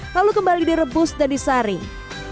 lalu kembali direbus dan disaring